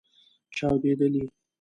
چاودیدلې